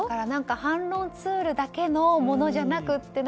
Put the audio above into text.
反論ツールだけのものじゃなくて。